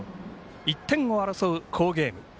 １点を争う好ゲーム。